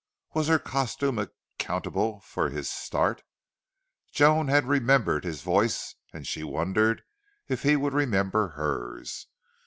Was her costume accountable for his start? Joan had remembered his voice and she wondered if he would remember hers.